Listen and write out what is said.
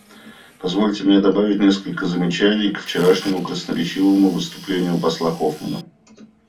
Позвольте мне добавить несколько замечаний к вчерашнему красноречивому выступлению посла Хоффмана.